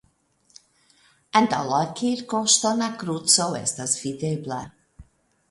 Antaŭ la kirko ŝtona kruco estas videbla.